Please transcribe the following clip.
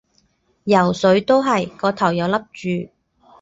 游水都係，個頭又笠住